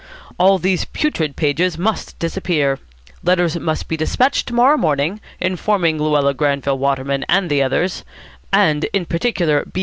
All these putrid pages must disappear. Letters must be despatched to morrow morning, informing Luella Granville Waterman and the others (and in particular B.